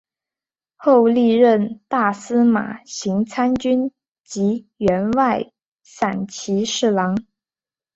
后历任大司马行参军及员外散骑侍郎。